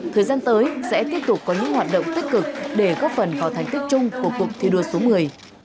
thời gian tới sẽ tiếp tục có những hoạt động tích cực để góp phần vào thành tích chung của cuộc thi đua số một mươi